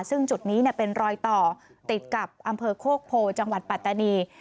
ซึ่งจุดนี้เป็นรอยต่อติดกับอำเภอโคกโพจังหวัดปัตตานี